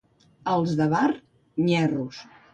Els de Bar, nyerros.